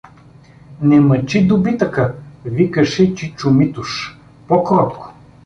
— Не мъчи добитъка! — викаше чичо Митуш. — По-кротко.